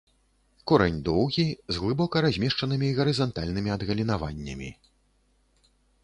Корань доўгі, з глыбока размешчанымі гарызантальнымі адгалінаваннямі.